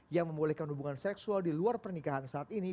yang membolehkan hubungan seksual di luar pernikahan saat ini